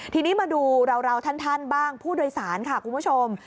ทีนี้มาดูเราท่านบ้างผู้โดยสารค่ะคุณผู้ชม